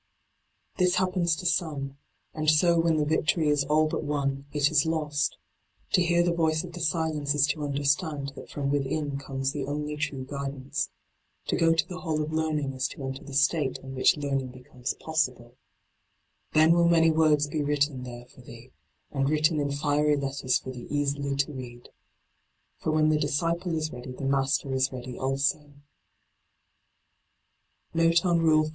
This happens to some, and so when the victory is all but won it is lost ; to hear the voice of the d by Google 30 LIGHT ON THE PATH silence is to understand that from within comes the only true guidance ; to go to the Hall of Learning is to enter the state in which learning becomes possible* Then will many words be written there for thee, and written in fiery letters for thee easily to read. For when the disciple is ready the Master is ready also. JVofe on Rule 5.